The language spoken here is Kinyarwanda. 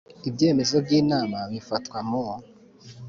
Ibyemezo by inama bifatwa mu